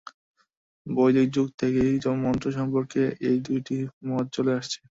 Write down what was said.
বৈদিক যুগ থেকেই মন্ত্র সম্পর্কে এই দুটি মত চলে আসছে।